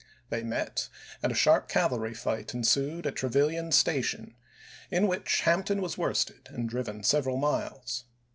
They met, and a sharp cavalry fight ensued at Trevilian station in which Juno n. Hampton was worsted and driven several miles.